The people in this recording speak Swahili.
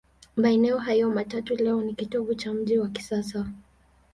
Maeneo hayo matatu leo ni kitovu cha mji wa kisasa.